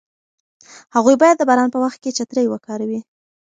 هغوی باید د باران په وخت کې چترۍ وکاروي.